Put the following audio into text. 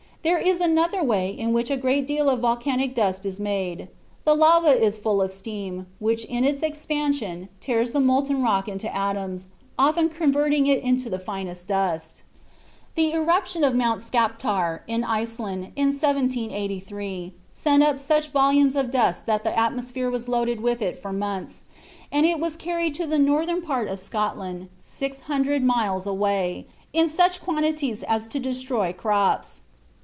There is another way in which a great deal of volcanic dust is made; the lava is full of steam, which in its expansion tears the molten rock into atoms, often converting it into the finest dust. The eruption of Mt. Skaptar, in Iceland, in 1783, sent up such volumes of dust that the atmosphere was loaded with it for months, and it was carried to the northern part of Scotland, 600 miles away, in such quantities as to destroy the crops.